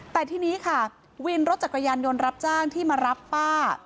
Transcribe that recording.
แต่ทีนี้ค่ะวินรถจักรยานยนต์รับจ้างที่มารับป้า